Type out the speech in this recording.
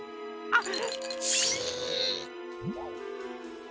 あっ。